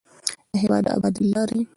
د هېواد د ابادۍ لارې